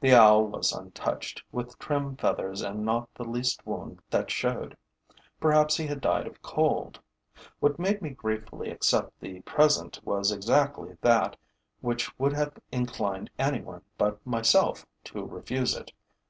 The owl was untouched, with trim feathers and not the least wound that showed. Perhaps he had died of cold. What made me gratefully accept the present was exactly that which would have inclined anyone but myself to refuse it.